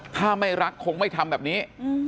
ถ้าไม่รักคงไม่ทำแบบนี้